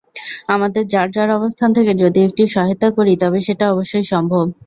আমাদের যার যার অবস্থান থেকে যদি একটু সহায়তা করি তবে সেটা অবশ্যই সম্ভব।